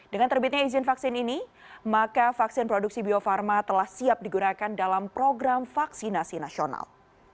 dengan terbitnya izin vaksin ini maka vaksin produksi bio farma telah siap digunakan dalam program vaksinasi nasional